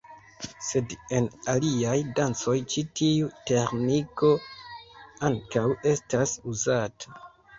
Sed en aliaj dancoj ĉi tiu teĥniko ankaŭ estas uzata.